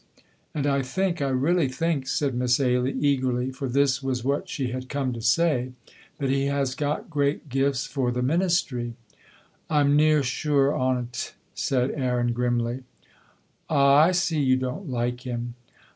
"And I think, I really think," said Miss Ailie, eagerly, for this was what she had come to say, "that he has got great gifts for the ministry." "I'm near sure o't," said Aaron, grimly. "Ah, I see you don't like him."